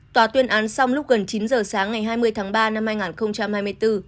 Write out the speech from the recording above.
tòa tuyên án xong lúc gần chín giờ sáng ngày hai mươi tháng ba năm hai nghìn hai mươi bốn